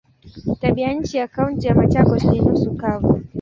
Tabianchi ya Kaunti ya Machakos ni nusu kavu.